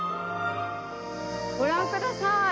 ご覧ください